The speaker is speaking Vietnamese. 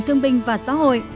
thương binh và xã hội